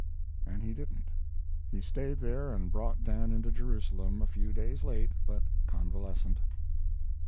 And he didn't. He stayed there and brought Dan into Jerusalem, a few days late, but convalescent.